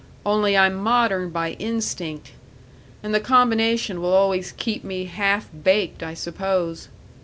Only I'm modern by instinct, and the combination will always keep me half baked, I suppose.